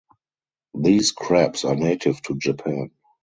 These crabs are native to Japan.